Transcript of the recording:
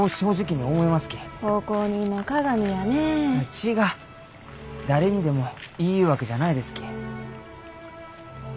違っ誰にでも言いゆうわけじゃないですき。